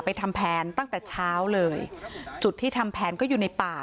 ทำแผนตั้งแต่เช้าเลยจุดที่ทำแผนก็อยู่ในป่า